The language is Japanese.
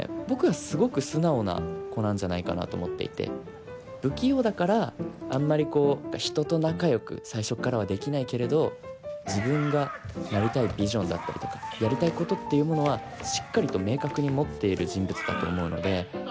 僕はすごく素直な子なんじゃないかなと思っていて不器用だからあんまりこう人と仲よく最初っからはできないけれど自分がなりたいビジョンだったりとかやりたいことっていうものはしっかりと明確に持っている人物だと思うので。